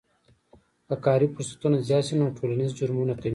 که کاري فرصتونه زیات شي نو ټولنیز جرمونه کمیږي.